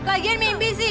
lagian mimpi sih